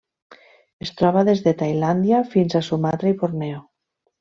Es troba des de Tailàndia fins a Sumatra i Borneo.